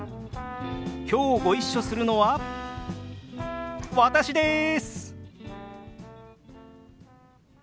きょうご一緒するのは私です！